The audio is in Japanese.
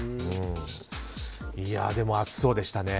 でも、暑そうでしたね。